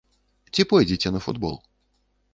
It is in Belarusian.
Ці пойдзеце на футбол?